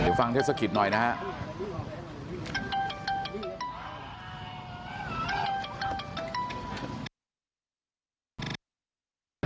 เดี๋ยวฟังเทศกิตหน่อยนะฮะ